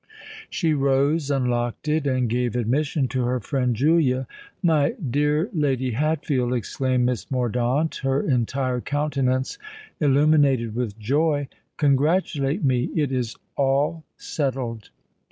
She rose, unlocked it, and gave admission to her friend Julia. "My dear Lady Hatfield," exclaimed Miss Mordaunt, her entire countenance illuminated with joy, "congratulate me. It is all settled!"